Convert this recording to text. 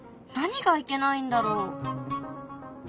何がいけないんだろう？